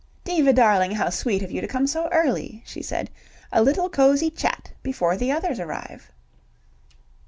"Diva darling, how sweet of you to come so early!" she said. "A little cosy chat before the others arrive."